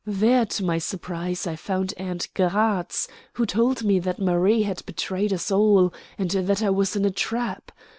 There, to my surprise, I found aunt Gratz, who told me that Marie had betrayed us all, and that I was in a trap.